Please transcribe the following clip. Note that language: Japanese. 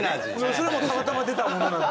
それもたまたま出たものなので。